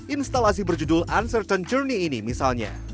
instalasi berjudul uncertain journey ini misalnya